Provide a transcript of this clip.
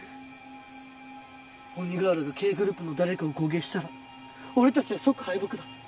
鬼瓦がＫグループの誰かを攻撃したら俺たちは即敗北だ。